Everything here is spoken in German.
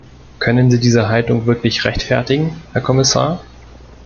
Können Sie diese Haltung wirklich rechtfertigen, Herr Kommissar?